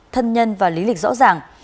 thân nhân và lý lịch rõ ràng